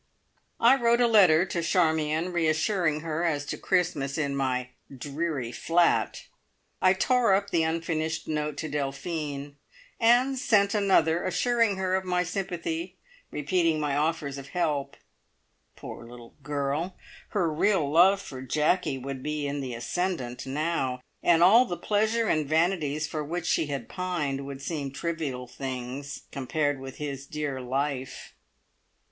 I wrote a letter to Charmion, reassuring her as to Christmas in my "dreary flat"; I tore up the unfinished note to Delphine, and sent another, assuring her of my sympathy, repeating my offers of help. Poor little girl! Her real love for "Jacky" would be in the ascendant now, and all the pleasure and vanities for which she had pined would seem trivial things, compared with his dear life.